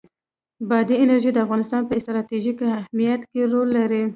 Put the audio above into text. بادي انرژي د افغانستان په ستراتیژیک اهمیت کې رول لري.